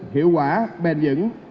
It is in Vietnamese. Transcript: hiệu quả bền dững